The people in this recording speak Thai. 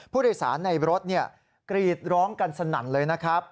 ผู้โดยสารในรถกรีดร้องกันสนั่นเลยนะครับ